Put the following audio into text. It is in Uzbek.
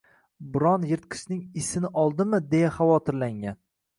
Biron yirtqichning isini oldimi deya xavotirlangan